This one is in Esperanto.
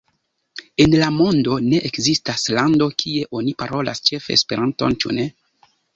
En la mondo ne ekzistas lando, kie oni parolas ĉefe Esperanton, ĉu ne?